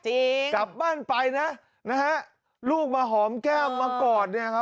กลับบ้านไปนะนะฮะลูกมาหอมแก้มมากอดเนี่ยครับ